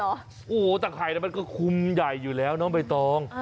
อ้าวเหรอโอ้โหตักข่ายมันก็คุ้มใหญ่อยู่แล้วเนอะใบตอง